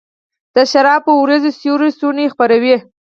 د شرابې اوریځو سیوري څوڼي خپروي